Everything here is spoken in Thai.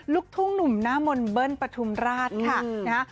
ลูกทุ่งหนุ่มหน้ามนต์เบิ้ลปฐุมราชค่ะนะฮะ